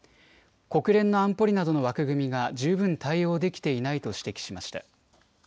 国連の安保理などの枠組みが十分対応できていないと指摘しました。